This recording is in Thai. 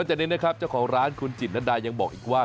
จากนี้นะครับเจ้าของร้านคุณจิตนดายังบอกอีกว่า